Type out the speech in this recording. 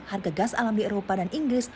harga gas alam di eropa dan inggris